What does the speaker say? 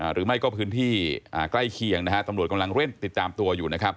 หรือไม่ก็พื้นที่ใกล้เคียงตำรวจกำลังเร่งติดตามตัวอยู่นะครับ